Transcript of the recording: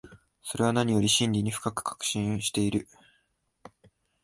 それは何よりも真理に深く関心している。